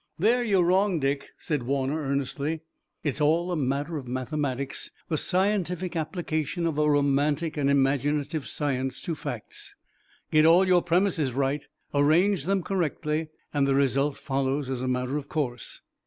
"There you're wrong, Dick," said Warner, earnestly. "It's all a matter of mathematics, the scientific application of a romantic and imaginative science to facts. Get all your premises right, arrange them correctly, and the result follows as a matter of course."